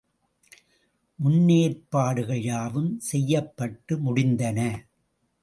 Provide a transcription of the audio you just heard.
முன்னேற்பாடுகள் யாவும் செய்யப்பட்டு முடிந்தன.